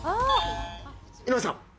井上さん。